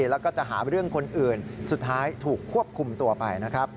แล้วก็จะหาเรื่องคนอื่นสุดท้ายถูกควบคุมตัวไปนะครับ